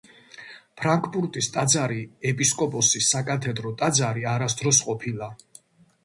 ფრანკფურტის ტაძარი ეპისკოპოსის საკათედრო ტაძარი არასდროს ყოფილა.